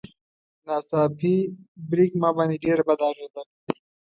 ناڅاپي بريک ما باندې ډېره بده اغېزه کوي.